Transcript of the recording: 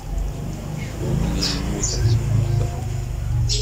Cfu belli lmut ad temmteḍ.